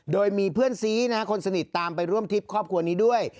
โดยมีเพื่อนซีนะฮะคนสนิทตามไปร่วมทริปครอบครัวนี้ด้วย